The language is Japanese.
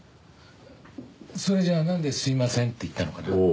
それじゃあなんですいませんって言ったのかな？